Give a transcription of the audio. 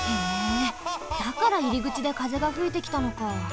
だからいりぐちでかぜがふいてきたのか。